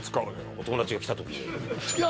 お友達が来た時にいや